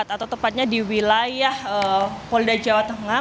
atau tepatnya di wilayah polda jawa tengah